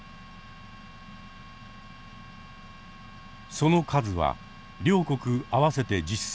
その数は両国合わせて１０隻。